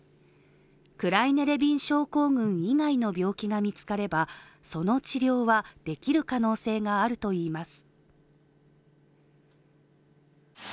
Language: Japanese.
クライネ・レビン症候群以外の病気が見つかればその治療はできる可能性があるといいます。